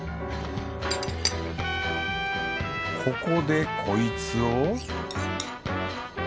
ここでこいつを。